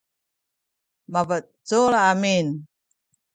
mabecul amin